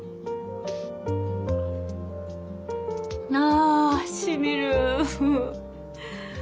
あしみる。